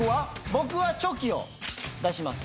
僕はチョキを出します。